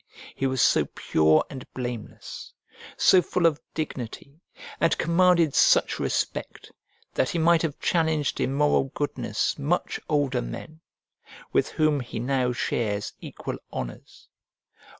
He was so pure and blameless, so full of dignity, and commanded such respect, that he might have challenged in moral goodness much older men, with whom he now shares equal honours.